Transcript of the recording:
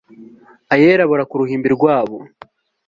ayera abura k'uruhimbi rwabo